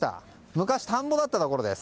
昔、田んぼだったところです。